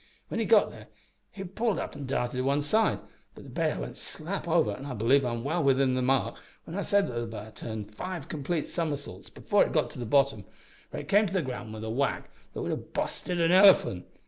When he got there he pulled up an' darted a one side, but the b'ar went slap over, an' I believe I'm well within the mark when I say that that b'ar turned five complete somersaults before it got to the bottom, where it came to the ground with a whack that would have busted an elephant.